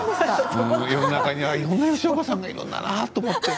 世の中にいろんな吉岡さんがいるんだなと。